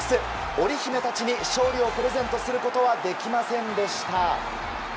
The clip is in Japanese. オリ姫たちに勝利をプレゼントすることはできませんでした。